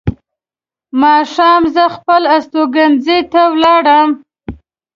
ماښام زه خپل استوګنځي ته ولاړم.